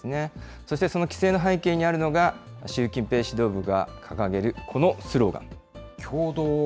そしてその規制の背景にあるのが、習近平指導部が掲げるこのスローガン。